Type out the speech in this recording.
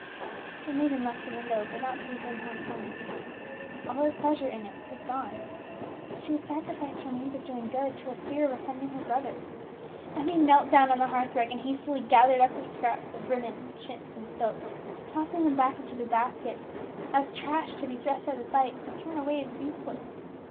The maiden left the window, but not to resume her employment; all her pleasure in it was gone: she had sacrificed her means of doing good to her fear of offending her brother. Emmie knelt down on the hearth rug and hastily gathered up her scraps of ribbons, chintz, and silk, tossing them back into the basket, as trash to be thrust out of sight, or thrown away as useless.